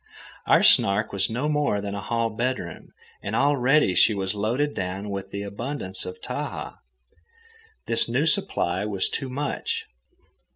Our Snark was no more than a hall bedroom, and already she was loaded down with the abundance of Tahaa. This new supply was too much.